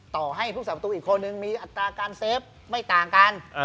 ต่อให้ผู้สาประตูอีกคนนึงมีอัตราการเซฟไม่ต่างกัน